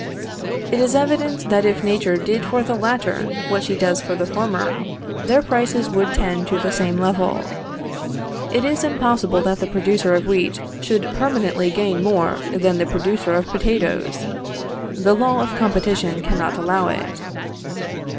It is evident that if Nature did for the latter what she does for the former, their prices would tend to the same level. It is impossible that the producer of wheat should permanently gain more than the producer of potatoes. The law of competition cannot allow it.